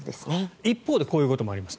一方でこういうこともあります。